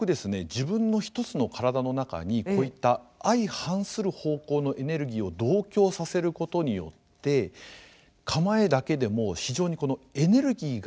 自分の一つの体の中にこういった相反する方向のエネルギーを同居させることによって構えだけでも非常にエネルギーが満ちた静止の状態を作ろうと思ってるんです。